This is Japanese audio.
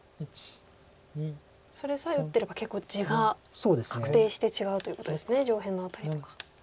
それさえ打ってれば結構地が確定して違うということですね上辺の辺りとか。